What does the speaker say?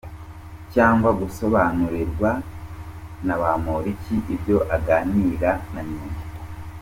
Cyangwa gusobanurirwa na Bampoliki ibyo aganira na nyina?